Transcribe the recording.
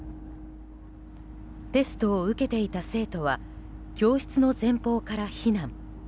テストを受けていた生徒は教室の前方から避難。